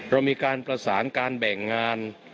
เรามีการประสานการแบ่งงาน